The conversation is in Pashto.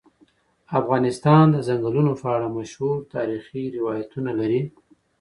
افغانستان د ځنګلونه په اړه مشهور تاریخی روایتونه لري.